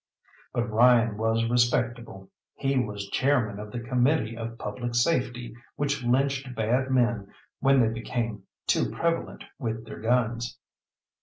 But Ryan was respectable. He was Chairman of the Committee of Public Safety which lynched bad men when they became too prevalent with their guns.